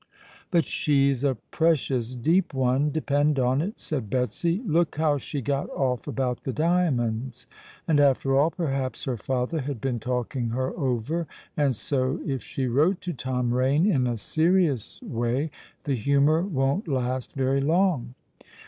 "But she's a precious deep one, depend on it," said Betsy. "Look how she got off about the diamonds. And, after all, perhaps her father had been talking her over; and so, if she wrote to Tom Rain in a serious way, the humour won't last very long."